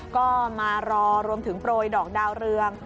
ก็มารอรวมถึงโปรยดอกดาวเรือง